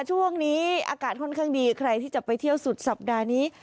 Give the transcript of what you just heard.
ช่วงนี้อากาศค่อนข้างดีใครที่จะไปเที่ยวสุดสัปดาห์นี้